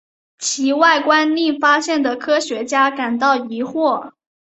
其外观令发现的科学家感到疑惑。